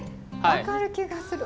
分かる気がする。